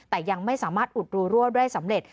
แต่ยังไม่สามารถอุดรูรั่วได้สำเร็จ